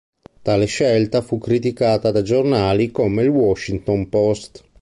Tale scelta fu criticata da giornali come il "Washington Post".